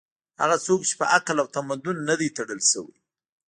هغه څوک چې په عقل او تمدن نه دي تړل شوي